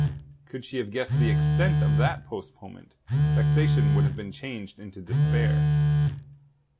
Could she have guessed the extent of that postponement, vexation would have been changed into despair.